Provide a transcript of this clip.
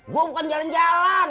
gue bukan jalan jalan